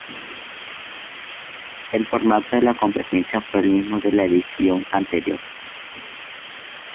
El formato de la competencia fue el mismo de la edición anterior.